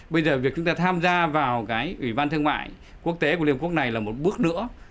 bây giờ việc chúng ta tham gia vào cái ủy ban thương mại quốc tế của liên quốc này là một bước nữa